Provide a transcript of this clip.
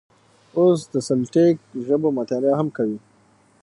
اوس د سلټیک ژبو مطالعه هم کوي.